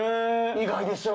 意外でしょ？